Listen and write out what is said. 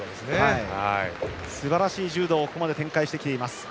すばらしい柔道をここまで展開しています。